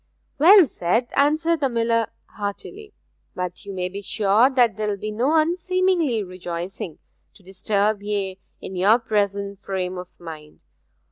'Well said!' answered the miller heartily. 'But you may be sure that there will be no unseemly rejoicing, to disturb ye in your present frame of mind.